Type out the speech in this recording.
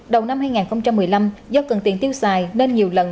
đầu năm hai nghìn một mươi năm do cần tiền tiêu xài nên nhiều lần